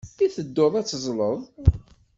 I tedduḍ ad teẓẓleḍ?